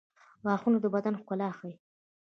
• غاښونه د بدن ښکلا ښيي.